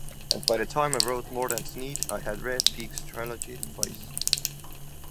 And by the time I wrote "Mordant's Need," I had read Peake's trilogy twice.